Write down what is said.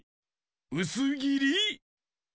うすぎり？